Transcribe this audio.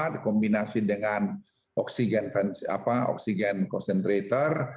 dikombinasi dengan oksigen apa oksigen konsentrator